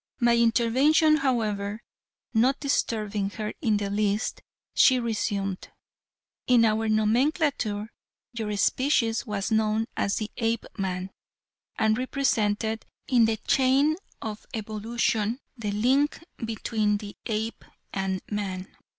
My intervention, however, not disturbing her in the least, she resumed: "In our nomenclature your species was known as the Apeman, and represented in the chain of evolution the link between the Ape and Man.